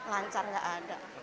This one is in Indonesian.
lancar nggak ada